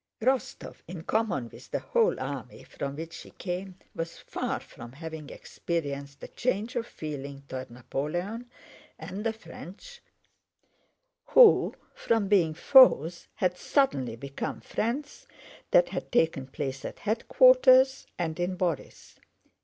Rostóv, in common with the whole army from which he came, was far from having experienced the change of feeling toward Napoleon and the French—who from being foes had suddenly become friends—that had taken place at headquarters and in Borís.